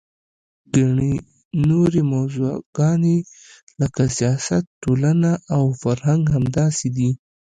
ګڼې نورې موضوعګانې لکه سیاست، ټولنه او فرهنګ همداسې دي.